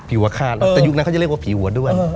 หัวฆาตแล้วแต่ยุคนั้นเขาจะเรียกว่าผีหัวด้วน